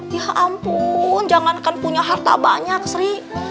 ya ampun jangankan punya harta banyak sri